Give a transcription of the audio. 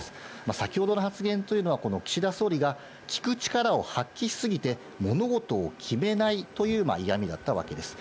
先ほどの発言というのは、この岸田総理が聞く力を発揮し過ぎて、物事を決めないという嫌みだったわけです。